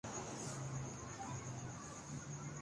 ان کی نااہلی کا ڈھنڈورا ظاہر ہے۔